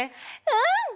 うん！